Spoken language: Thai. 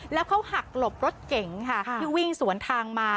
แล้วเขาหักหลบรถเก๋งค่ะที่วิ่งสวนทางมา